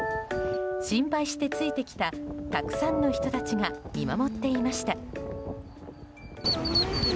心配してついてきたたくさんの人たちが見守っていました。